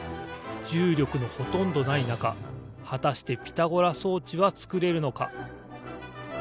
じゅうりょくのほとんどないなかはたしてピタゴラ装置はつくれるのか？